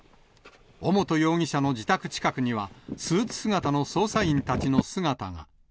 尾本容疑者の自宅近くには、スーツ姿の捜査員たちの姿が。